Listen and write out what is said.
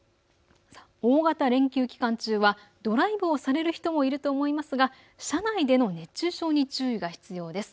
大型連休期間中はドライブをされる人もいると思いますが、車内での熱中症に注意が必要です。